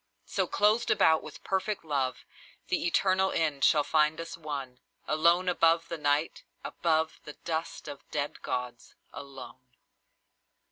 So, clothed about with perfect love, The eternal end shall find us one, Alone above the Night, above The dust of the dead gods, alone.